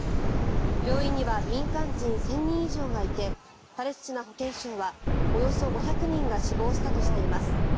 病院には民間人１０００人以上がいてパレスチナ保健省はおよそ５００人が死亡したとしています。